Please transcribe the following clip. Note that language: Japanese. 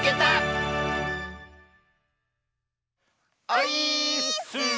オイーッス！